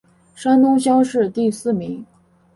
山东乡试第四名。